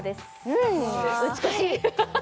うん美しい！